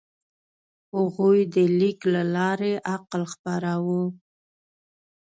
هغوی د لیک له لارې عقل خپراوه.